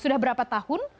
sudah berapa tahun